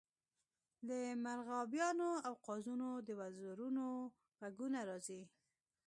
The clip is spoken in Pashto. د مرغابیانو او قازونو د وزرونو غږونه راځي